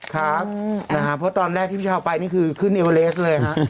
ครับเพราะตอนแรกที่พี่เช้าไปนี่คือขึ้นเอเวอเรสเลยครับ